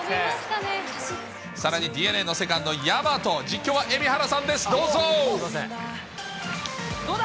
さらにＤｅＮＡのセカンド、大和、実況は蛯原さんです、どうだ？